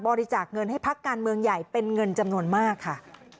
บริจาคเงินให้พักการเมืองใหญ่เป็นเงินจำนวนมากค่ะ